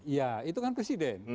ya itu kan presiden